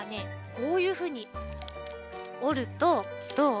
こういうふうにおるとどう？